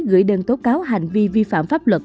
gửi đơn tố cáo hành vi vi phạm pháp luật